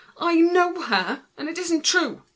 "I know her, and it isn't true.